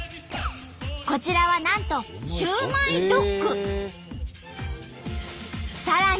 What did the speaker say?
こちらはなんとさらに。